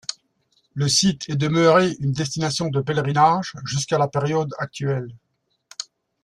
Le site est demeuré une destination de pèlerinage jusqu'à la période actuelle.